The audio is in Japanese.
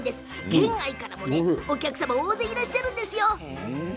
県外からもお客様が大勢いらっしゃるんですよ。